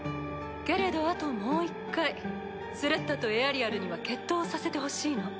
けれどあともう一回スレッタとエアリアルには決闘をさせてほしいの。